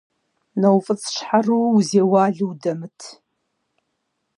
НэуфӀыцӀщхьэрыуэу узеуалэу удэмыт.